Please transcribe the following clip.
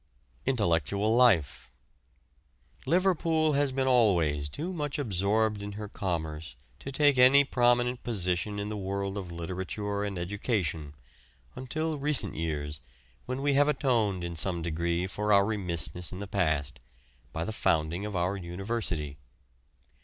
INTELLECTUAL LIFE. Liverpool has been always too much absorbed in her commerce to take any prominent position in the world of literature and education, until recent years, when we have atoned in some degree for our remissness in the past, by the founding of our University.